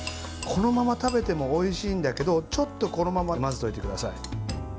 このまま食べてもおいしいんだけどちょっとこのまま混ぜておいてください。